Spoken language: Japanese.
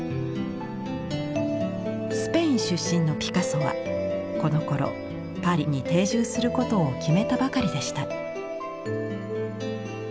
スペイン出身のピカソはこのころパリに定住することを決めたばかりでした。